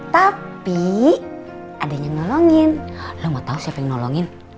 tapi ada yang nolongin lo mau tau siapa yang nolongin